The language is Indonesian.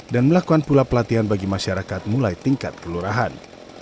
dan melakukan pula pelatihan bagi masyarakat mulai tingkat kelurahan